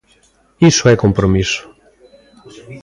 Iso é compromiso.